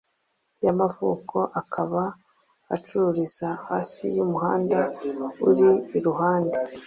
yamavuko, akaba acururiza hafi y’umuhanda uri iruhande